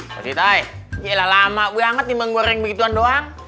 mas jitai iya lah lama gue amat nih menggoreng begituan doang